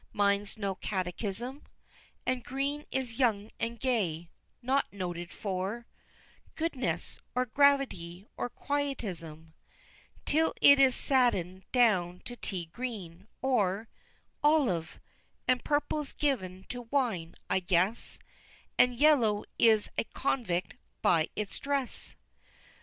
minds no catechism; And green is young and gay not noted for Goodness, or gravity, or quietism, Till it is sadden'd down to tea green, or Olive and purple's giv'n to wine, I guess; And yellow is a convict by its dress!